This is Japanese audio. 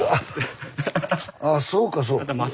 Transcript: あそうかそう。